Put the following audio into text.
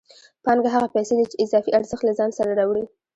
پانګه هغه پیسې دي چې اضافي ارزښت له ځان سره راوړي